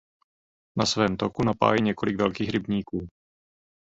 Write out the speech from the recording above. Na svém toku napájí několik velkých rybníků.